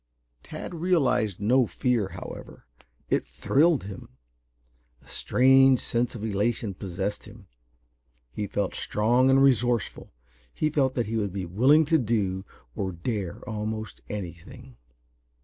Tad realized no fear, however. It thrilled him. A strange sense of elation possessed him. He felt strong and resourceful he felt that he would be willing to do or dare almost anything.